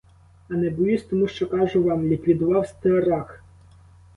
А не боюсь тому, що, кажу вам, ліквідував страх.